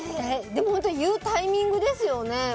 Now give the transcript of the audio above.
でも、本当に言うタイミングですよね。